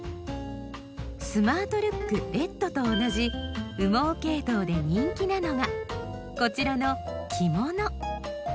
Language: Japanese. スマートルックレッドと同じ羽毛ケイトウで人気なのがこちらの「きもの」。